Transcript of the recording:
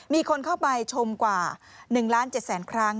มีคนเข้าไปชมกว่า๑ล้าน๗แสนครั้ง